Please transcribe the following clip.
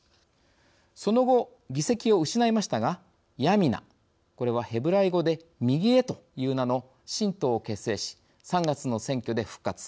その後、議席を失いましたが、ヤミナ、これはヘブライ語で右へという名の新党を結成し３月の選挙で復活。